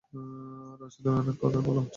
রাজ, তুমি অনেক কথা বলো, চলো যাই।